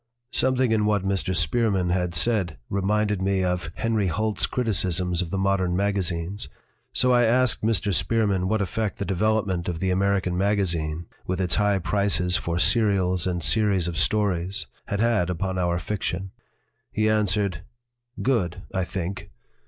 Something in what Mr. Spearman had said reminded me of Henry Holt's criticisms of the modern magazines. So I asked Mr. Spearman what effect the development of the American magazine, with its high prices for serials and series of stories, had had upon our fiction. He answered : "Good, I think.